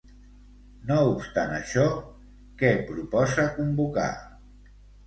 No obstant això, què proposa convocar?